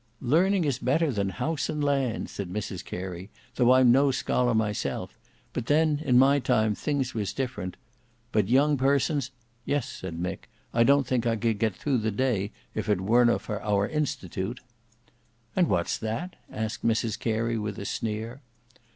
"Learning is better than house and land," said Mrs Carey; "though I'm no scholar myself; but then, in my time, things was different. But young persons—" "Yes," said Mick; "I don't think I could get through the day, if it wurno' for our Institute." "And what's that?" asked Mrs Carey with a sneer.